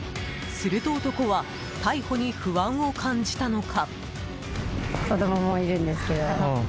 すると男は逮捕に不安を感じたのか。